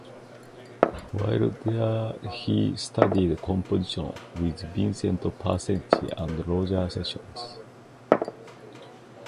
While there he studied composition with Vincent Persichetti and Roger Sessions.